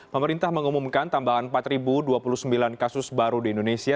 pemerintah mengumumkan tambahan empat dua puluh sembilan kasus baru di indonesia